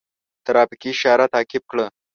ترافیکي اشاره تعقیب کړه.